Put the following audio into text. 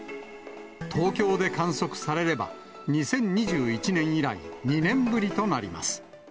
東京で観測されれば、２０２１年以来、２年ぶりとなります。